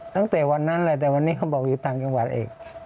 ตั้งแต่วันนั้นแหละแต่วันนี้เขาบอกอยู่ต่างจังหวัดอีก